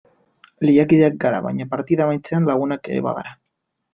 Lehiakideak gara baina partida amaitzean laguna ere bagara.